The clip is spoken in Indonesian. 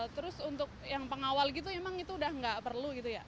terus untuk yang pengawal gitu memang itu udah nggak perlu gitu ya